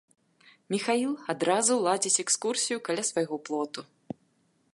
Міхаіл адразу ладзіць экскурсію каля свайго плоту.